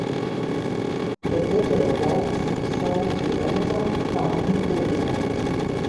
The digital rights were sold to Amazon Prime Video.